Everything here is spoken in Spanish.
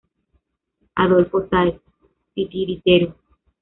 Adolfo Sáez: Titiritero.